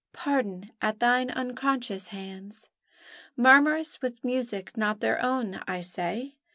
Pardon at thine unconscious hands! "Murmurous with music not their own," I say?